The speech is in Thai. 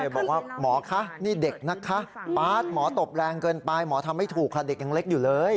บอกว่าหมอคะนี่เด็กนะคะป๊าดหมอตบแรงเกินไปหมอทำไม่ถูกค่ะเด็กยังเล็กอยู่เลย